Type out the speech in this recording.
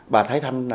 bà thái thanh